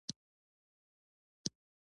چارمغز د بدن لپاره طبیعي تقویت کوونکی دی.